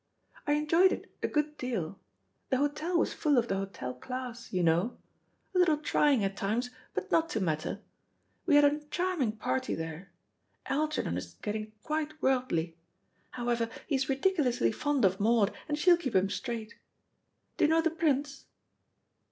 "I enjoyed it a good deal. The hotel was full of the hotel class, you know. A little trying at times, but not to matter. We had a charming party there. Algernon is getting quite worldly. However, he is ridiculously fond of Maud, and she'll keep him straight. Do you know the Prince?"